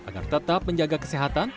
agar tetap menjaga kesehatan